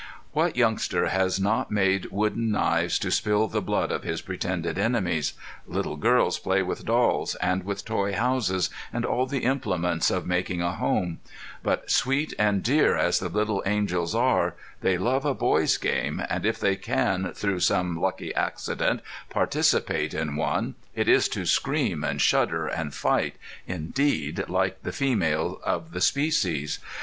What youngster has not made wooden knives to spill the blood of his pretended enemies? Little girls play with dolls, and with toy houses, and all the implements of making a home; but sweet and dear as the little angels are they love a boy's game, and if they can through some lucky accident participate in one it is to scream and shudder and fight, indeed like the females of the species.